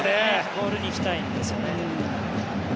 ボールに行きたいんですよね。